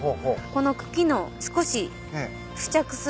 この茎の少し付着する